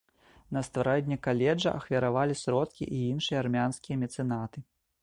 На стварэнне каледжа ахвяравалі сродкі і іншыя армянскія мецэнаты.